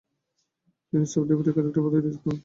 তিনি sub deputy collector পদে নিযুক্ত হন।